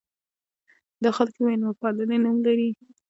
دا خلک د مېلمه پالنې نوم لري.